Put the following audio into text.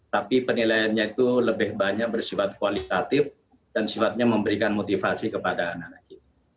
tapi penilaiannya itu lebih banyak bersifat kualitatif dan sifatnya memberikan motivasi kepada anak anak kita